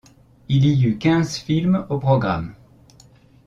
Il y eut quinze films au programme.